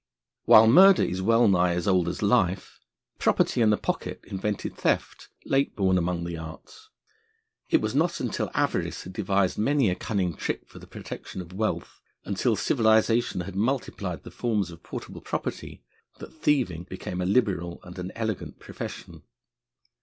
While murder is wellnigh as old as life, property and the pocket invented theft, late born among the arts. It was not until avarice had devised many a cunning trick for the protection of wealth, until civilisation had multiplied the forms of portable property, that thieving became a liberal and an elegant profession.